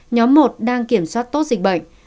nhóm một đang kiểm soát tốt dịch bệnh